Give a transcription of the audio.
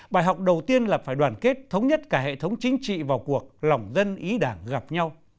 bài học đầu tiên là phải đoàn kết thống nhất cả hệ thống chính trị vào cuộc lòng dân ý đảng gặp nhau